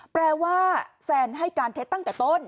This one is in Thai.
แปลว่าแซนให้การเท็จตั้งแต่ต้น